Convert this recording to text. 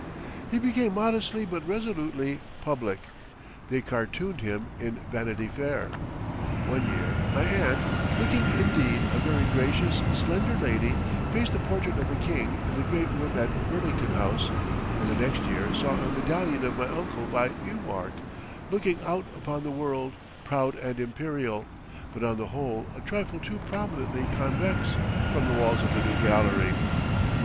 He became modestly but resolutely "public." They cartooned him in Vanity Fair. One year my aunt, looking indeed a very gracious, slender lady, faced the portrait of the King in the great room at Burlington House, and the next year saw a medallion of my uncle by Ewart, looking out upon the world, proud and imperial, but on the whole a trifle too prominently convex, from the walls of the New Gallery.